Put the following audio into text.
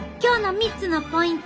３つのポイント？